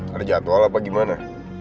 ada jadwal apa gimana